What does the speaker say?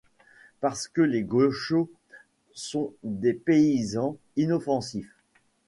Parce que les Gauchos sont des paysans inoffensifs.